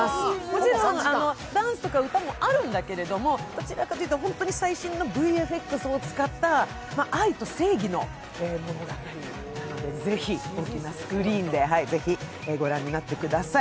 もちろんダンスとか歌もあるんだけれども、どちらかというと、本当に最新のＶＦＸを使った愛と正義の物語になっていますのでぜひ大きなスクリーンでご覧になってください。